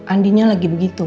andinya lagi begitu